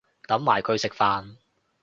等埋佢食飯